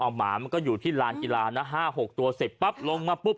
ปุ๊บเอาหมามันก็อยู่ที่ร้านกีฬานะห้าหกตัวสิบปั๊บลงมาปุ๊บ